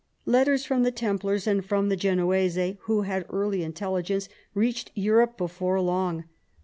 Letters from the Templars and from the Genoese, who had early intelligence, reached Europe before long.